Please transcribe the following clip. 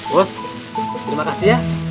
bos terima kasih ya